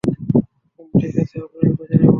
হুমম ঠিক আছে, আপনাকে খুঁজে নেব।